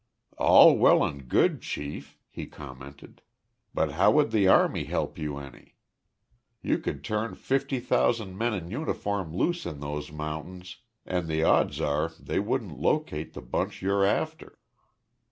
"All well and good, Chief," he commented, "but how would the army help you any? You could turn fifty thousand men in uniform loose in those mountains, and the odds are they wouldn't locate the bunch you're after.